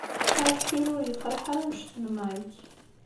Arthur ur yefṛiḥ ara anect n Mike.